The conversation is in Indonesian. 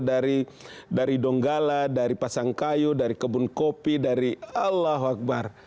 dari donggala dari pasangkayu dari kebun kopi dari allah akbar